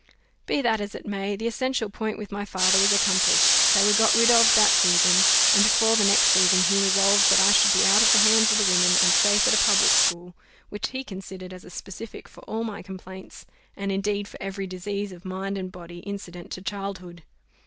Be that as it may, the essential point with my father was accomplished: they were got rid of that season, and before the next season he resolved that I should be out of the hands of the women, and safe at a public school, which he considered as a specific for all my complaints, and indeed for every disease of mind and body incident to childhood.